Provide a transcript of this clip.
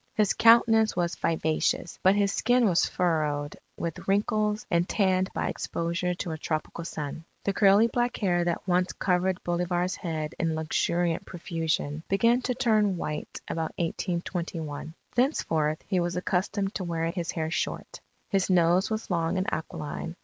His countenance was vivacious; but his skin was furrowed with wrinkles and tanned by exposure to a tropical sun. The curly black hair that once covered Bolivar's head in luxuriant profusion, began to turn white about 1821. Thenceforth, he was accustomed to wear his hair short. His nose was long and aquiline.